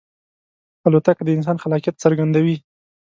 الوتکه د انسان خلاقیت څرګندوي.